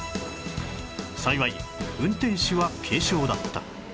幸い運転手は軽傷だった